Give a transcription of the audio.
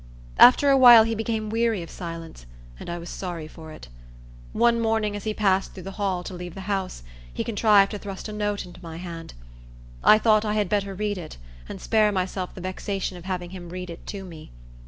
After a while he became weary of silence; and I was sorry for it. One morning, as he passed through the hall, to leave the house, he contrived to thrust a note into my hand. I thought I had better read it, and spare myself the vexation of having him read it to me.